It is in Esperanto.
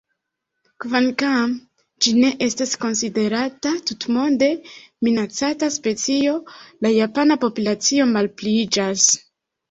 Kvankam ĝi ne estas konsiderata tutmonde minacata specio, la japana populacio malpliiĝas.